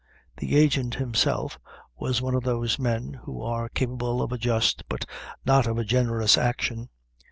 ] The agent, himself, was one of those men who are capable of a just, but not of a generous action.